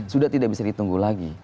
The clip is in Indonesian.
sudah tidak bisa ditunggu lagi